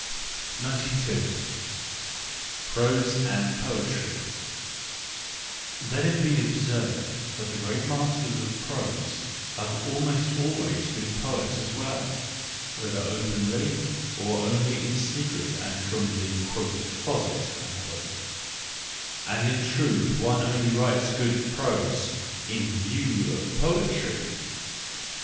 92. Prose and Poetry .— Let it be observed that the great masters of prose have almost always been poets as well, whether openly, or only in secret and 126 THE JOYFUL WISDOM, II for the " closet "; and in truth one only writes good prose in view of poetry